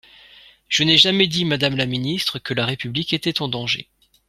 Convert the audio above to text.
Je n’ai jamais dit, madame la ministre, que la République était en danger.